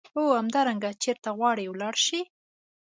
او همدارنګه چیرته غواړې ولاړ شې.